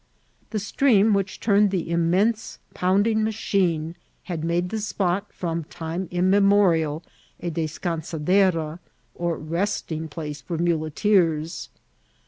The stream which turned the immense pounding machine had made the spot, from time immem(»rial, a descansadera, or resting«place for mdete^rs.